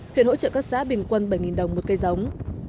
huyện hỗ trợ các xã bình quân bảy đồng một cây giống